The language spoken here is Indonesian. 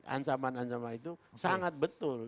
ancaman ancaman itu sangat betul